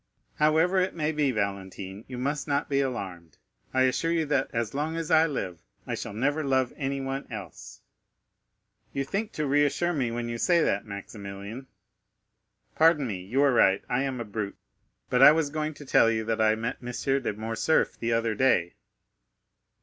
"However it may be, Valentine, you must not be alarmed. I assure you that, as long as I live, I shall never love anyone else!" "Do you think to reassure me when you say that, Maximilian?" "Pardon me, you are right. I am a brute. But I was going to tell you that I met M. de Morcerf the other day."